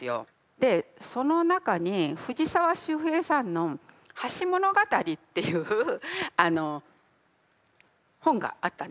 でその中に藤沢周平さんの「橋ものがたり」っていう本があったんですね。